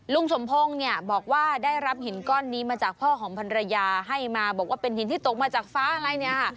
ลุงสมพงศ์เนี่ยบอกว่าได้รับหินก้อนนี้มาจากพ่อของพันรยาให้มาบอกว่าเป็นหินที่ตกมาจากฟ้าอะไรเนี่ยค่ะ